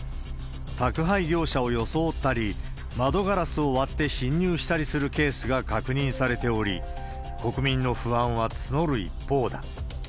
宅配業者を装ったり、窓ガラスを割って侵入したりするケースが確認されており、国民の不安は募る一方だ。